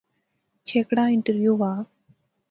چھیکڑا انٹرویو وہا